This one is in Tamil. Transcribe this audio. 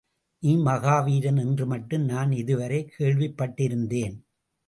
நீ மகா வீரன் என்று மட்டும் நான் இதுவரை கேள்விப்பட்டிருந்தேன்.